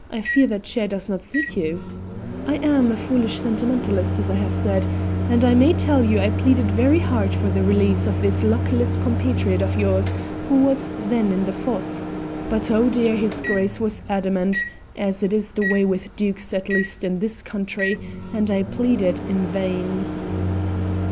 I fear that chair does not suit you) I am a foolish sentimentalist, as I have said, and I may tell you I pleaded very hard for the release of this luckless compatriot of yours who was then in the fosse. But, oh dear! his Grace was adamant, as is the way with dukes, at least in this country, and I pleaded in vain."